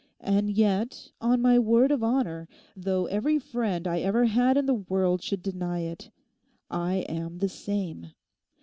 And yet, on my word of honour, though every friend I ever had in the world should deny it, I am the same.